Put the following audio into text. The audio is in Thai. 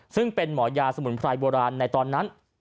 ซึ่งเป็นหมอยาสมุนไพรโบราณในตอนนั้น